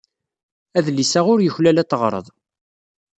Adlis-a ur yuklal ad t-teɣreḍ.